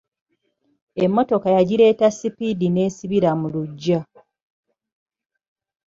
Emmotoka yagireeta sipiidi n'esibira mu lugya.